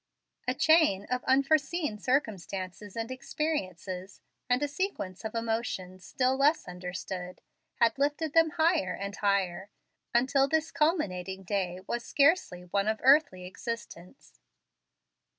A chain of unforeseen circumstances and experiences, and a sequence of emotions still less understood, had lifted them higher and higher, until this culminating day was scarcely one of earthly existence.